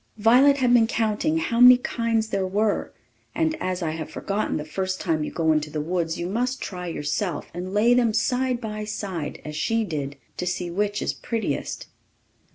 Violet had been counting how many kinds there were; and as I have forgotten, the first time you go into the woods you must try yourself, and lay them side by side, as she did, to see which is prettiest.